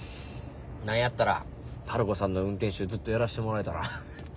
何やったらハルコさんの運転手ずっとやらしてもらえたら。